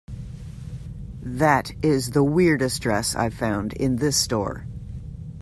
That is the weirdest dress I have found in this store.